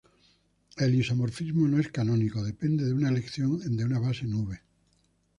El isomorfismo no es canónico; depende de una elección de una base en "V".